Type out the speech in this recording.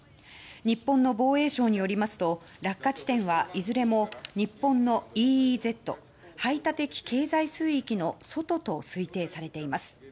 日本の防衛省によりますと落下地点はいずれも日本のＥＥＺ・排他的経済水域の外と推定されています。